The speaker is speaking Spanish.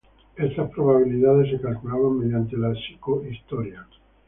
Estas probabilidades se calculaban mediante la psicohistoria.